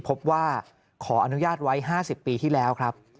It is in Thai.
พบว่าขออนุญาตไว้๕๐ปีที่แล้วครับ